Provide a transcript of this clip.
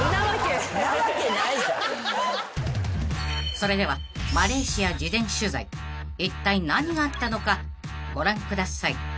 ［それではマレーシア事前取材いったい何があったのかご覧ください］